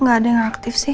nggak ada yang aktif sih